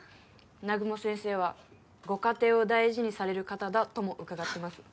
「南雲先生はご家庭を大事にされる方だ」とも伺ってます